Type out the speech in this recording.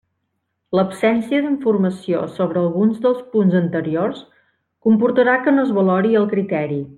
L'absència d'informació sobre algun dels punts anteriors comportarà que no es valori el criteri.